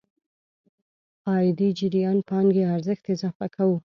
عايدي جريان پانګې ارزښت اضافه کوو.